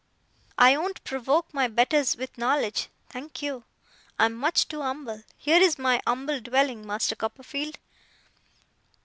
I won't provoke my betters with knowledge, thank you. I'm much too umble. Here is my umble dwelling, Master Copperfield!